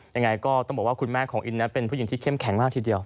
ยังไงก็ต้องบอกว่าคุณแม่ของอินนั้นเป็นผู้หญิงที่เข้มแข็งมากทีเดียว